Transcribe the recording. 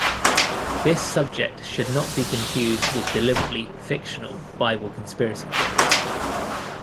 This subject should not be confused with deliberately "fictional" Bible conspiracy theories.